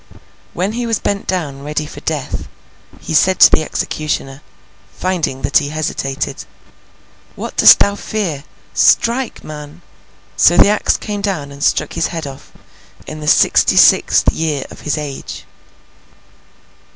When he was bent down ready for death, he said to the executioner, finding that he hesitated, 'What dost thou fear? Strike, man!' So, the axe came down and struck his head off, in the sixty sixth year of his age.